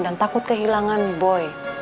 dan takut kehilangan boy